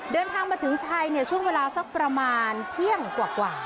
เดินทางมาถึงชัยช่วงเวลาสักประมาณเที่ยงกว่า